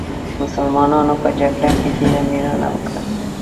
مسلمانانو په جګړه کې ډېره مېړانه وکړه.